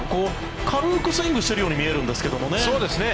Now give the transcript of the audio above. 軽くスイングしているように見えるんですけどね。